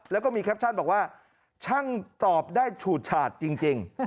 แล้วก็มีแคปชั่นบอกว่าช่างตอบได้ฉูดฉาดจริง